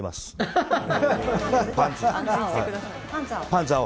パンツ青？